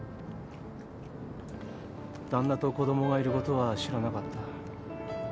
旦那と子供がいることは知らなかった。